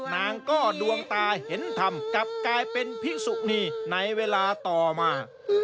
นางก็ดวงตาเห็นธรรมกลับกลายเป็นพิสุนีในเวลาต่อมา